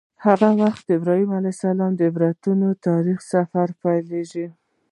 هغه وخت د ابراهیم علیه السلام عبرتناک تاریخي سفر پیلیږي.